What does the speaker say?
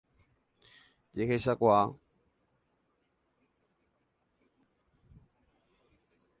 Jehechakuaa.